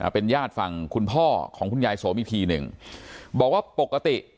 เป็นญาติฝั่งคุณพ่อของคุณยายสมอีกทีหนึ่งบอกว่าปกติ